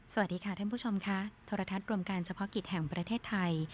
สวัสดีค่ะท่านผู้ชมค่ะโทรทัศน์รวมการเฉพาะกิจแห่งประเทศไทย